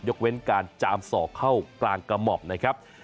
เว้นการจามศอกเข้ากลางกระหม่อมนะครับ